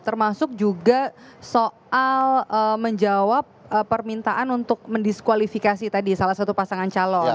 termasuk juga soal menjawab permintaan untuk mendiskualifikasi tadi salah satu pasangan calon